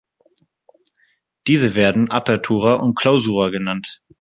Diese werden Apertura und Clausura genannt.